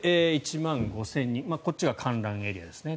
１万５０００人こっちが観覧エリアですね。